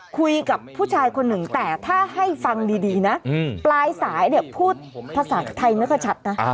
คุยกับผู้ชายคนหนึ่งแต่ถ้าให้ฟังดีนะปลายสายเนี่ยพูดภาษาไทยไม่ค่อยชัดนะ